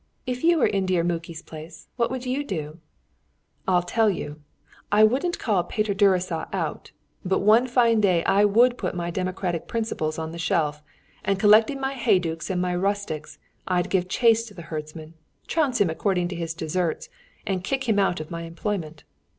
If you were in dear Muki's place what would you do?" "I'll tell you. I wouldn't call Peter Gyuricza out, but one fine day I would put my democratic principles on the shelf, and collecting my heydukes and my rustics, I'd give chase to the herdsman, trounce him according to his deserts, and kick him out of my employment.